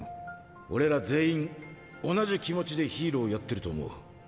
俺ら全員同じ気持ちでヒーローやってると思う。